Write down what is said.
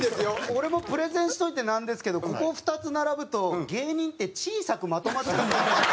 俺もプレゼンしといてなんですけどここ２つ並ぶと芸人って小さくまとまってる。